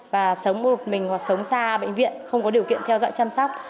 và sống một mình hoặc sống xa bệnh viện không có điều kiện theo dõi chăm sóc